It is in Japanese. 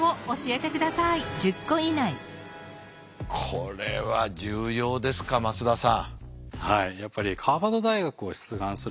これは重要ですか松田さん。